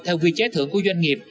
theo quy chế thưởng của doanh nghiệp